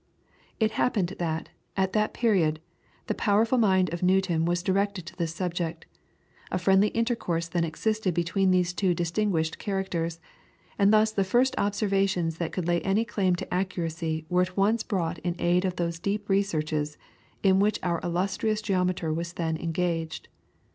It happened that, at that period, the powerful mind of Newton was directed to this subject; a friendly intercourse then existed between these two distinguished characters; and thus the first observations that could lay any claim to accuracy were at once brought in aid of those deep researches in which our illustrious geometer was then engaged.